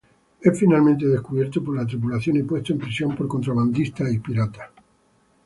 Es finalmente descubierto por la tripulación y puesto en prisión por contrabandistas y piratas.